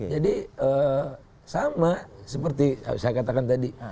jadi sama seperti saya katakan tadi